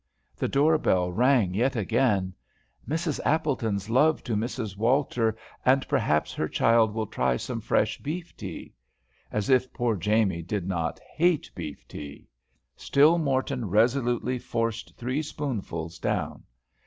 The door bell rang yet again. "Mrs. Appleton's love to Mrs. Walter, and perhaps her child will try some fresh beef tea." As if poor Jamie did not hate beef tea; still Morton resolutely forced three spoonfuls down.